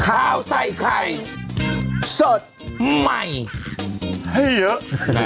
ข้าวใส่ไข่สดใหม่ให้เยอะ